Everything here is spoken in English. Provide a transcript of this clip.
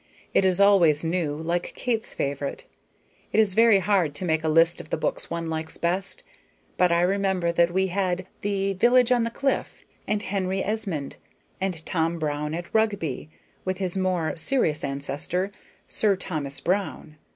It is always new, like Kate's favorite. It is very hard to make a list of the books one likes best, but I remember that we had "The Village on the Cliff," and "Henry Esmond," and "Tom Brown at Rugby," with his more serious ancestor, "Sir Thomas Browne."